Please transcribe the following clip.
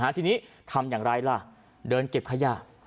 ทีนี้ทำอย่างไรล่ะเดินเก็บขยะ